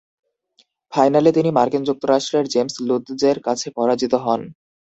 ফাইনালে তিনি মার্কিন যুক্তরাষ্ট্রের জেমস লুৎজের কাছে পরাজিত হন।